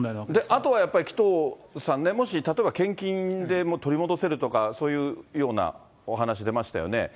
あとはやっぱり、紀藤さんね、もし例えば、献金で取り戻せるとか、そういうようなお話出ましたよね。